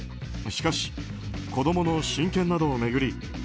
しかし、子供の親権などを巡り